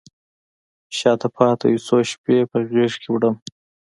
شاته پاته یو څو شپې په غیږکې وړمه